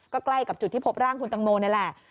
ก็ใกล้กับจุดที่พบร่างคุณตังโมนี่แหละ